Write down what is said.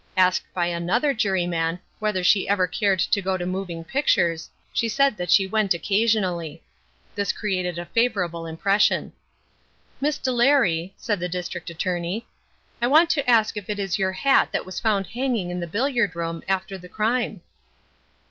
Asked by another juryman whether she ever cared to go to moving pictures, she said that she went occasionally. This created a favourable impression. "Miss Delary," said the district attorney, "I want to ask if it is your hat that was found hanging in the billiard room after the crime?"